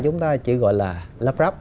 chúng ta chỉ gọi là lắp ráp